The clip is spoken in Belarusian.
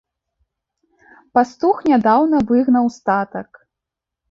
Пастух нядаўна выгнаў статак.